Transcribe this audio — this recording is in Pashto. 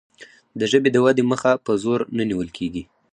د ژبې د ودې مخه په زور نه نیول کیږي.